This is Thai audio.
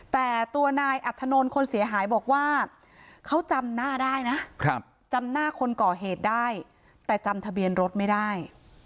แต่ตัวนายอัธนนท์คนเสียหายบอกว่าเขาจำหน้าได้นะจำหน้าคนก่อเหตุได้แต่จำทะเบียนรถไม่ได้